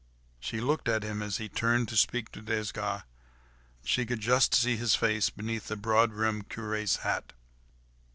She looked at him as he turned to speak to Desgas; she could just see his face beneath the broad brimmed curé's hat.